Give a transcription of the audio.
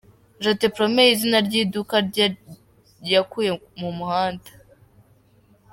Je te promets, izina ry’iduka rye yakuye mu muhanda.